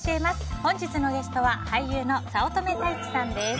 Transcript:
本日のゲストは俳優の早乙女太一さんです。